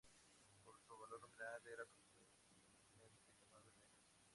Por su valor nominal era comúnmente llamada medio.